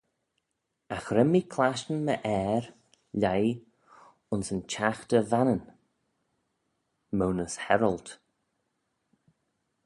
Agh ren mee clashtyn my Ayr lheih ayns yn chaghter vannin (monas herald).